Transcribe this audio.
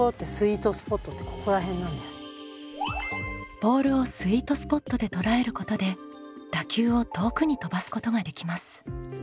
ボールをスイートスポットで捉えることで打球を遠くに飛ばすことができます。